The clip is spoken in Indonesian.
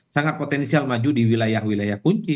sangat potensial maju di wilayah wilayah kunci